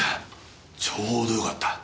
ちょうどよかった。